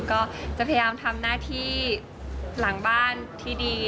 ก็จะพยายามทำหน้าที่หลังบ้านที่ดี